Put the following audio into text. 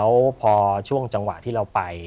แล้วพอช่วงจังหวะที่เราไป